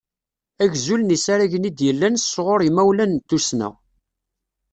Agzul n yisaragen i d-yellan s ɣur yimawlan n tussna.